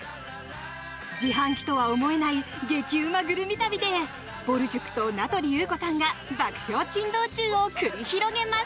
自販機とは思えない激うまグルメ旅でぼる塾と名取裕子さんが爆笑珍道中を繰り広げます。